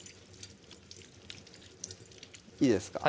いいですか？